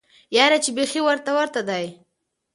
یاره چی بیخی ورته ورته دی